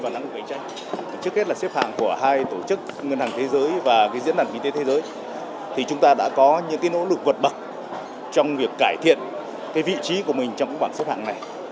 năng lực cạnh tranh việt nam xếp sau bốn nước trong khối asean